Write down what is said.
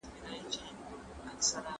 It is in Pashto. موږ کولای سو چي یو روښانه راتلونکی ولرو.